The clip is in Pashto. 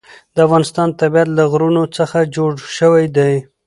د افغانستان طبیعت له غرونه څخه جوړ شوی دی.